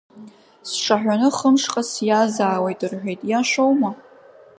Сҿаҳәаны хымшҟа сиазаауеит рҳәеит, иашоума?